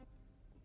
aku sudah berjalan